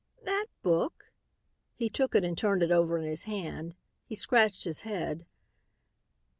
"That book?" he took it and turned it over in his hand. He scratched his head.